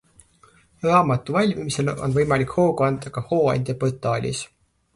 Raamatu valmimisele on võimalik hoogu anda ka Hooandja portaalis.